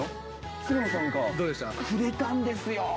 菅野さんがくれたんですよって。